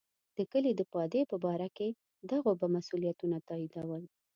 د کلي د پادې په باره کې د غوبه مسوولیتونه تاییدول.